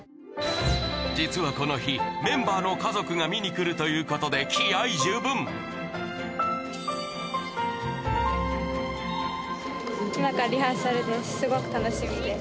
実はこの日メンバーの家族が見に来るということで気合十分今からリハーサルです